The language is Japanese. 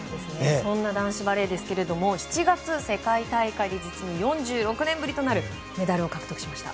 そんな男子バレーですが７月、世界大会で実に４６年ぶりとなるメダルを獲得しました。